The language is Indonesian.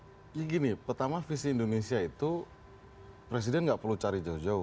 jadi gini pertama visi indonesia itu presiden tidak perlu cari jauh jauh